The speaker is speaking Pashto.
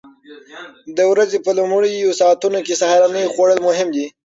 د ورځې په لومړیو ساعتونو کې سهارنۍ خوړل مهم دي.